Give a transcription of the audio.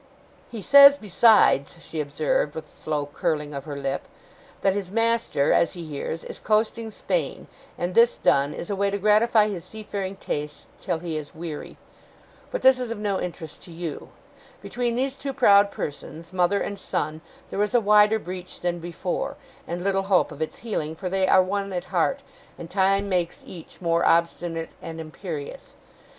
'He says besides,' she observed, with a slow curling of her lip, 'that his master, as he hears, is coasting Spain; and this done, is away to gratify his seafaring tastes till he is weary. But this is of no interest to you. Between these two proud persons, mother and son, there is a wider breach than before, and little hope of its healing, for they are one at heart, and time makes each more obstinate and imperious.